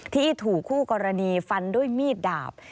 ที่ถูกคู่กรณีฟันด้วยมีดดาบ